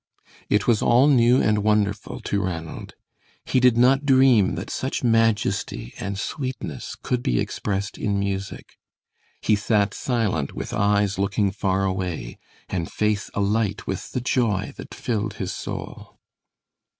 It was all new and wonderful to Ranald. He did not dream that such majesty and sweetness could be expressed in music. He sat silent with eyes looking far away, and face alight with the joy that filled his soul.